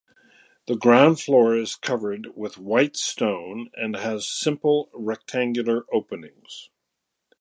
The ground floor is covered with white stone and has simple rectangular openings.